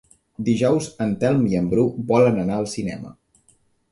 Dijous en Telm i en Bru volen anar al cinema.